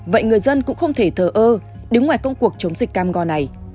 vậy người dân cũng không thể thờ ơ đứng ngoài công cuộc chống dịch cam go này